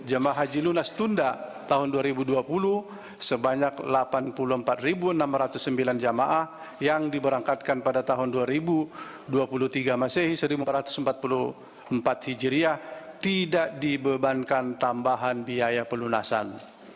jemaah haji lunas tunda tahun dua ribu dua puluh sebanyak delapan puluh empat enam ratus sembilan jamaah yang diberangkatkan pada tahun dua ribu dua puluh tiga masehi seribu empat ratus empat puluh empat hijriah tidak dibebankan tambahan biaya pelunasan